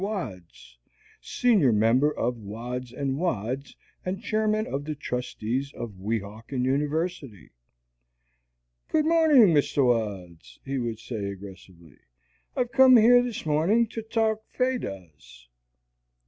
Wads, senior member of Wads & Wads and Chairman of the Trustees of Weehawken University. "Good morning, Mr. Wads," he would say aggressively. "I've come here this morning to talk Vedas."